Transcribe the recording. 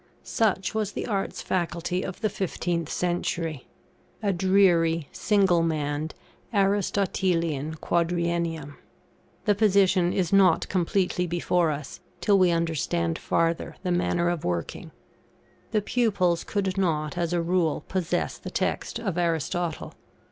Such was the Arts' Faculty of the 15th century; a dreary, single manned, Aristotelian quadriennium. The position is not completely before us, till we understand farther the manner of working. The pupils could not, as a rule, possess the text of Aristotle.